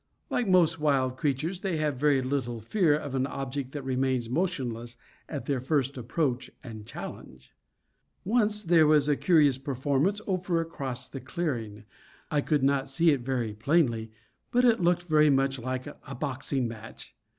Like most wild creatures, they have very little fear of an object that remains motionless at their first approach and challenge. Once there was a curious performance over across the clearing. I could not see it very plainly, but it looked very much like a boxing match.